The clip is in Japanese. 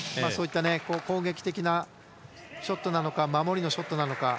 攻撃的なショットなのか守りのショットなのか。